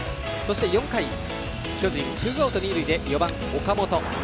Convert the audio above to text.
４回、巨人ツーアウト二塁で４番、岡本。